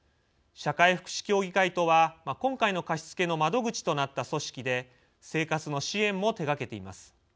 社会福祉協議会とは今回の貸付の窓口となった組織で生活の支援も手がけています。